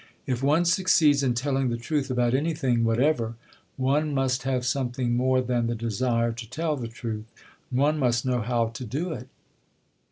If one succeeds in telling the truth about anything whatever, one must have something more than the desire to tell the truth; one must know how to do it.